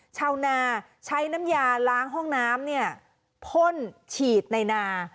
ชาวนาใช้น้ำยาล้างห้องน้ำพ่นฉีดในนา